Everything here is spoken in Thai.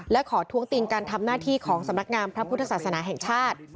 และขอท้วงติงการทำหน้าที่ของสำนักงามพระพุทธศาสนาแห่งชาติ